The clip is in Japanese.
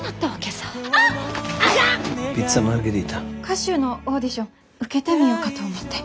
歌手のオーディション受けてみようかと思って。